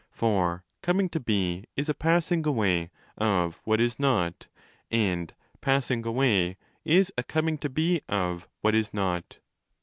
For coming to be is a passing away of ' what is not' and passing away is a coming to be of ' what is ποῖ᾽.